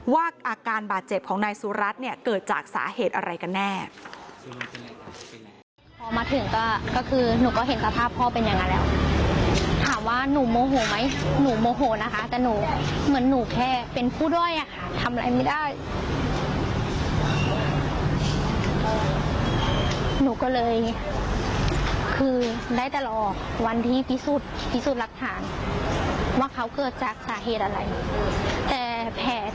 ว่าอาการบาดเจ็บของนายสุรัตน์เนี่ยเกิดจากสาเหตุอะไรกันแน่